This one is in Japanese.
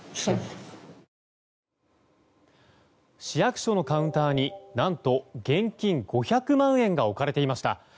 市役所のカウンターに何と現金５００万円が置かれていました。